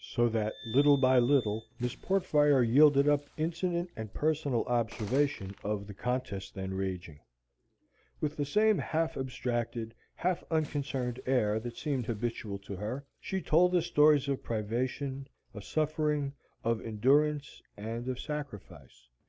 So that, little by little, Miss Portfire yielded up incident and personal observation of the contest then raging; with the same half abstracted, half unconcerned air that seemed habitual to her, she told the stories of privation, of suffering, of endurance, and of sacrifice.